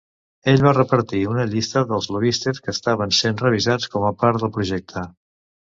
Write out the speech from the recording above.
Ell va repartir una llista dels lobbistes que estaven sent revisats com a part del projecte.